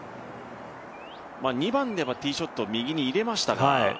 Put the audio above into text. ２番ではティーショットを右に入れましたが。